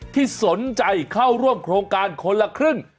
ที่สนใจเข้าร่วมโครงการคนละครึ่ง